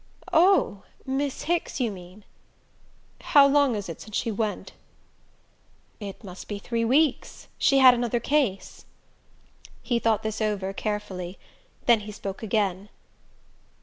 "Oh Miss Hicks, you mean?" "How long is it since she went?" "It must be three weeks. She had another case." He thought this over carefully; then he spoke again.